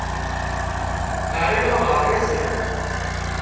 ڪاريلان واوي سي